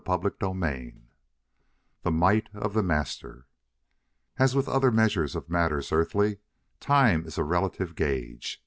CHAPTER XXIII The Might of the "Master" As with other measures of matters earthly, time is a relative gauge.